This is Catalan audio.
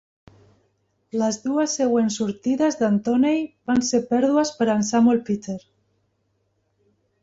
Les dues següents sortides d'en Toney van ser pèrdues per a en Samuel Peter.